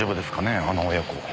あの親子。